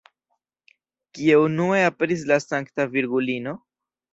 Kie unue aperis la Sankta Virgulino?